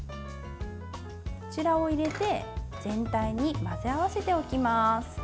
こちらを入れて全体に混ぜ合わせておきます。